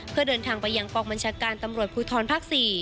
เพื่อเดินทางไปยังกองบัญชาการตำรวจภูทรภาค๔